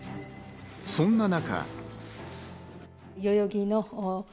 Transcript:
そんな中。